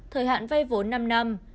thời hạn vay vốn năm năm